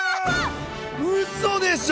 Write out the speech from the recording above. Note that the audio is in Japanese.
うそでしょ！